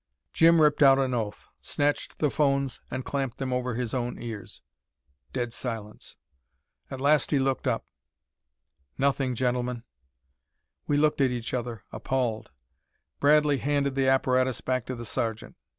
Jim ripped out an oath, snatched the phones, and clamped them over his own ears. Dead silence. At last he looked up. "Nothing, gentlemen." We looked at each other, appalled. Bradley handed the apparatus back to the sergeant.